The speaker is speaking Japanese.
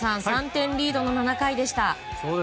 ３点リードの７回でした。